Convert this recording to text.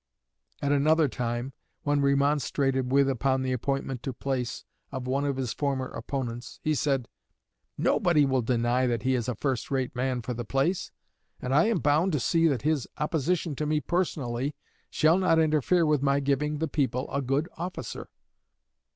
At another time, when remonstrated with upon the appointment to place of one of his former opponents, he said: "Nobody will deny that he is a first rate man for the place, and I am bound to see that his opposition to me personally shall not interfere with my giving the people a good officer."